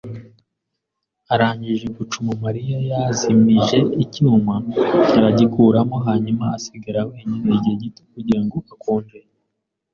Arangije gucuma, Mariya yazimije icyuma aragikuramo, hanyuma asigara wenyine igihe gito kugira ngo akonje.